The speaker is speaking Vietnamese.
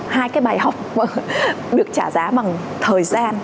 hai cái bài học được trả giá bằng thời gian